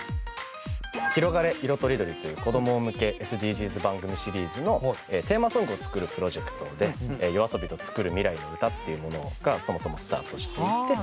「ひろがれ！いろとりどり」という子供向けＳＤＧｓ番組シリーズのテーマソングを作るプロジェクトで「ＹＯＡＳＯＢＩとつくる未来のうた」っていうものがそもそもスタートしていって。